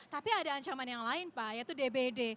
tapi ada ancaman yang lain pak yaitu dbd